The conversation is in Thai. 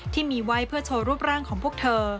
ที่มีไว้เพื่อโชว์รูปร่างของพวกเธอ